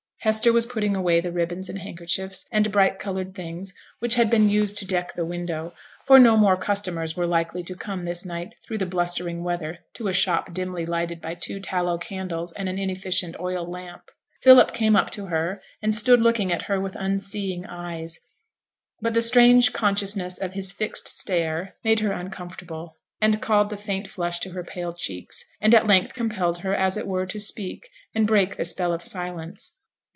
Hester was putting away the ribbons and handkerchiefs, and bright coloured things which had been used to deck the window; for no more customers were likely to come this night through the blustering weather to a shop dimly lighted by two tallow candles and an inefficient oil lamp. Philip came up to her, and stood looking at her with unseeing eyes; but the strange consciousness of his fixed stare made her uncomfortable, and called the faint flush to her pale cheeks, and at length compelled her, as it were, to speak, and break the spell of the silence.